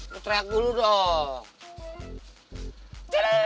lo teriak dulu dong